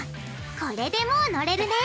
これでもうのれるね！